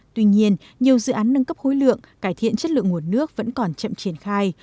tuy nhiên nhiều dự án nâng cấp khối lượng cải thiện chất lượng nguồn nước vẫn còn chậm triển khai